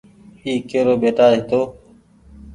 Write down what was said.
اي ڪيرو ٻيٽآ هيتو ۔